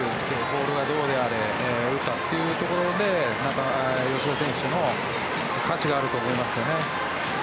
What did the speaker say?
ボールがどうであれ打ったというところに吉田選手の価値があると思いますね。